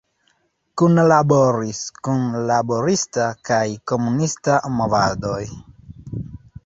Kunlaboris kun laborista kaj komunista movadoj.